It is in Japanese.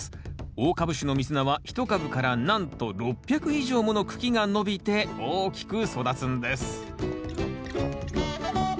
大株種のミズナは一株からなんと６００以上もの茎が伸びて大きく育つんです